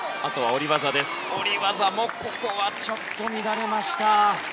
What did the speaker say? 下り技もちょっと乱れました。